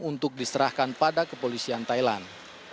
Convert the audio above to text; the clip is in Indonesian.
untuk diserahkan pada kepolisian thailand